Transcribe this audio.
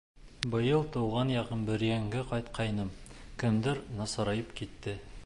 Быйыл тыуған яғым Бөрйәнгә ҡайтҡайным, көндәр насарайып китте.